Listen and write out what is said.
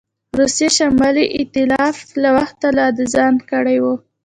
روسیې شمالي ایتلاف له وخته لا د ځان کړی وو.